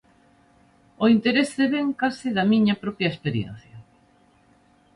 O interese vén case da miña propia experiencia.